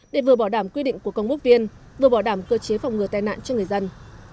để vừa bảo đảm quy định của công ước viên vừa bỏ đảm cơ chế phòng ngừa tai nạn cho người dân